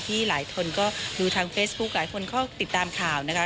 หลายคนก็ดูทางเฟซบุ๊คหลายคนก็ติดตามข่าวนะคะ